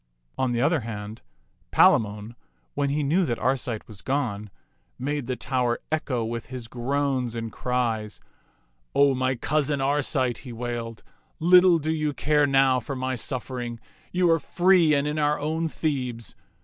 On the other hand, Palamon, when he knew that Arcite was gone, made the tower echo with his groans and cries. " O my cousin Arcite," he wailed, *' little 28 t^t Mnxs^f^ tak do you care now for my suffering. You are free and in our own Thebes.